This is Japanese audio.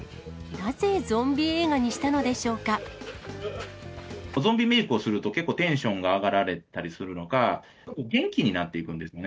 なぜ、ゾンビ映画にしたのでゾンビメークをすると、結構テンションが上がられたりするのか、元気になっていくんですね。